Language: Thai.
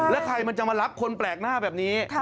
แล้วใครมันจะมารับคนแปลกหน้าแบบนี้